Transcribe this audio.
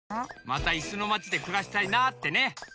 またいすのまちでくらしたいなってね。